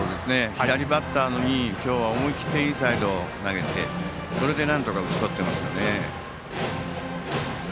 左バッターに今日は思い切ってインサイドに投げてそれでなんとか打ち取っています。